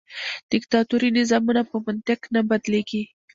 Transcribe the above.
دیکتاتوري نظامونه په منطق نه بدلیږي.